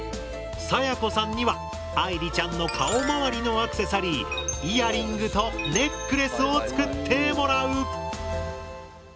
さやこさんには愛莉ちゃんの顔まわりのアクセサリーイヤリングとネックレスを作ってもらう。